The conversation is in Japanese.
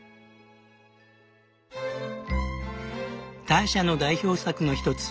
ターシャの代表作の一つ